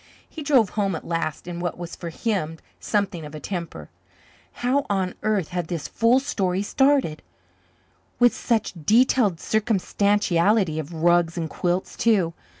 He drove home at last in what was for him something of a temper. How on earth had that fool story started? With such detailed circumstantiality of rugs and quilts, too?